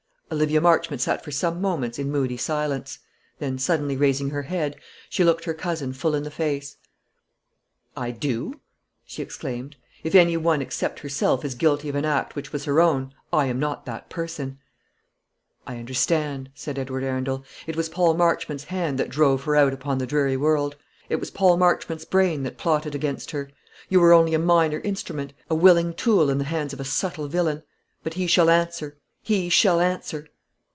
Olivia Marchmont sat for some moments in moody silence; then suddenly raising her head, she looked her cousin full in the face. "I do," she exclaimed; "if any one except herself is guilty of an act which was her own, I am not that person." "I understand," said Edward Arundel; "it was Paul Marchmont's hand that drove her out upon the dreary world. It was Paul Marchmont's brain that plotted against her. You were only a minor instrument; a willing tool, in the hands of a subtle villain. But he shall answer; he shall answer!"